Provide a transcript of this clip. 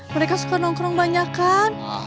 mereka suka nongkrong banyak kan